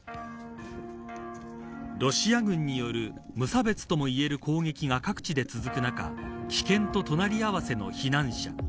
ロシア軍による無差別ともいえる攻撃が各地で続く中危険と隣り合わせの避難者。